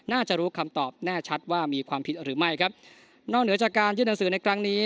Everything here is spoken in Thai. น่าจะรู้คำตอบแน่ชัดว่ามีความผิดหรือไม่ครับนอกเหนือจากการยื่นหนังสือในครั้งนี้